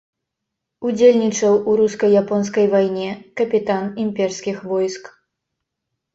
Удзельнічаў у руска-японскай вайне, капітан імперскіх войск.